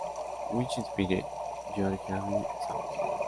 Which inspire your heavenly songs?